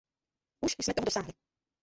Už jsme toho dosáhli.